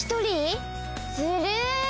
ずるい！